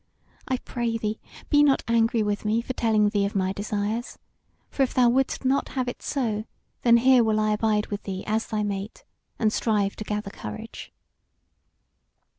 I pray thee be not angry with me for telling thee of my desires; for if thou wouldst not have it so, then here will I abide with thee as thy mate, and strive to gather courage."